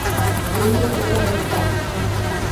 Тенге когон опта